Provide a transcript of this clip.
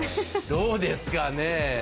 どうですかねぇ。